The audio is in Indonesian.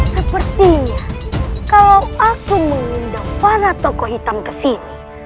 sepertinya kalau aku mengundang para tokoh hitam kesini